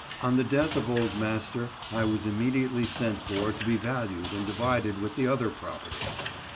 On the death of old master I was immediately sent for to be valued and divided with the other property.